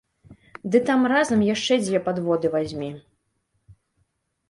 Ды там разам яшчэ дзве падводы вазьмі.